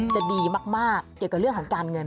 จะดีมากเกี่ยวกับเรื่องของการเงิน